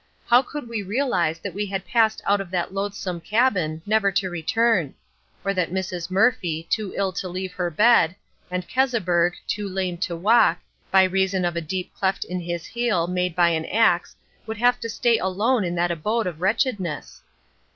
How could we realize that we had passed out of that loathsome cabin, never to return; or that Mrs. Murphy, too ill to leave her bed, and Keseberg, too lame to walk, by reason of a deep cleft in his heel, made by an axe, would have to stay alone in that abode of wretchedness?